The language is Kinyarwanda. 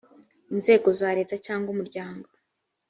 inzego za leta cyangwa umuryango